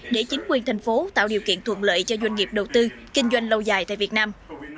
để chính quyền thành phố tạo điều kiện thuận lợi cho doanh nghiệp đầu tư kinh doanh lâu dài tại việt nam